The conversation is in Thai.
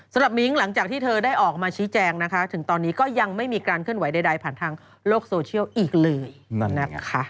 มิ้งหลังจากที่เธอได้ออกมาชี้แจงนะคะถึงตอนนี้ก็ยังไม่มีการเคลื่อนไหวใดผ่านทางโลกโซเชียลอีกเลยนั่นนะคะ